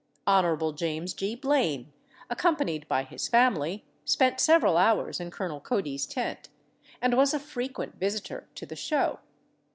Hon. James G. Blaine, accompanied by his family, spent several hours in Colonel Cody's tent, and was a frequent visitor to the show.